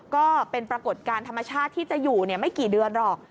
ก็เป็นปรากฏการณ์ธรรมชาติที่จะอยู่ไม่กี่เดือนหรอก